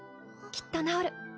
きっと治る。